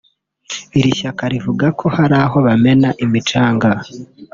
Iri shyaka rivuga ko hari aho bamena imicanga